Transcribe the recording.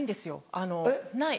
あのない。